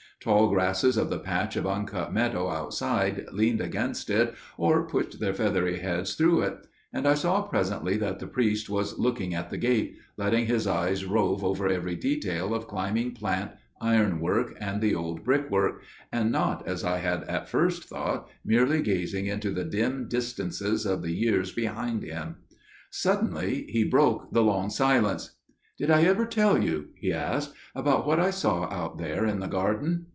Tall grasses of the patch of uncut meadow outside leaned against it or pushed their feathery heads through it; and I saw presently that the priest was looking at the gate, letting his eyes rove over every detail of climbing plant, iron work and the old brickwork––and not, as I had at first thought, merely gazing into the dim distances of the years behind him. Suddenly he broke the long silence. "Did I ever tell you," he asked, "about what I saw out there in the garden?